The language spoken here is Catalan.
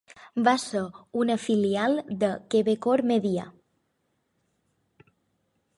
Va ser una filial de Quebecor Media.